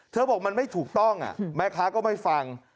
บอกมันไม่ถูกต้องแม่ค้าก็ไม่ฟัง